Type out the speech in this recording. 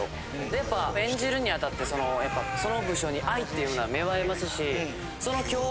でやっぱ演じるにあたってそのやっぱその武将に愛っていうものは芽生えますし今日